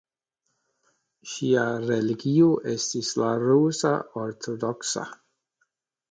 Ŝia religio estis la Rusa Ortodoksa.